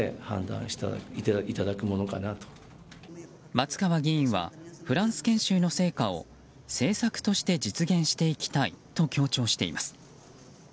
松川議員はフランス研修の成果を政策として実現していきたいと強調しています。